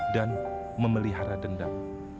dan memelihara dendam